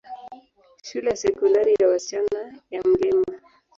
Shule ya Sekondari ya wasichana ya Mt.